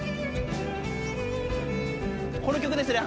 この曲ですね？